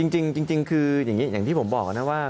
จริงคืออย่างที่ผมบอกก่อนนะว่า